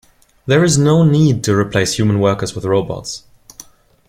There is no need to replace human workers with robots.